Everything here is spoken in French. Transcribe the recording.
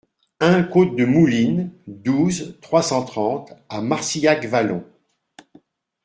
un côte de Moulines, douze, trois cent trente à Marcillac-Vallon